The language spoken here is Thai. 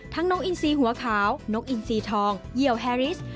นกอินซีหัวขาวนกอินซีทองเหยียวแฮริส